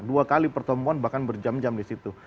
dua kali pertemuan bahkan berjam jam di situ